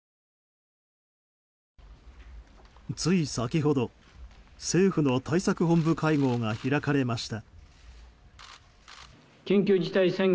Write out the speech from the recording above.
つい先ほど、政府の対策本部会合が開かれました。